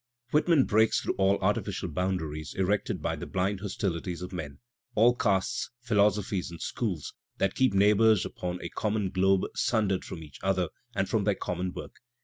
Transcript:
Whitman breaks through all arti i ficial boimdaries erected by the blind hostiUties of men, 1 all castes, philosophies and schools that keep neighbours ; upon a common globe sundered from each other and from 1 their common work.